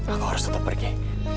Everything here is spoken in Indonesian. aku harus tetap pergi